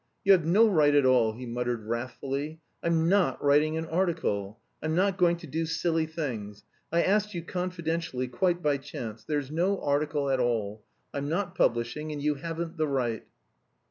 "You have no right at all," he muttered wrathfully. "I'm not writing an article. I'm not going to do silly things. I asked you confidentially, quite by chance. There's no article at all. I'm not publishing, and you haven't the right..."